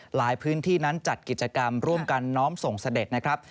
หลายพื้นที่นั้นจัดกิจกรรมร่วมกันน้อมส่งเสด็จนะครับ